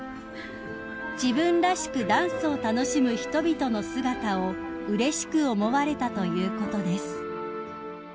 ［自分らしくダンスを楽しむ人々の姿をうれしく思われたということです］